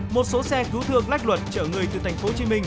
một số xe cứu thương lách luật chở người từ tp hcm